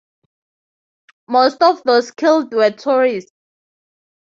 Most of those killed were tourists.